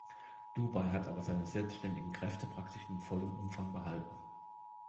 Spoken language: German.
Dubai hat aber seine selbstständigen Kräfte praktisch in vollem Umfang behalten.